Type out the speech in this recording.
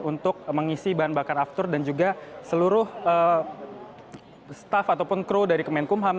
untuk mengisi bahan bakar after dan juga seluruh staff ataupun crew dari kementerian hukum dan ham